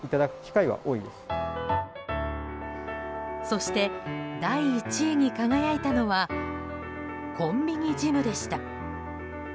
そして、第１位に輝いたのはコンビニジムでした。